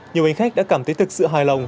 nhiều hành khách đã cảm thấy thực sự hài lòng